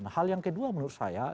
hal yang kedua menurut saya